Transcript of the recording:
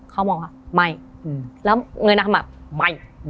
เขามองว่าไม่แล้วเงินอาหมา่ไม่